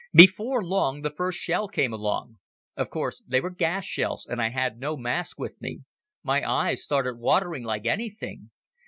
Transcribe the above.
"Before long the first shell came along. Of course they were gas shells and I had no mask with me. My eyes started watering like anything.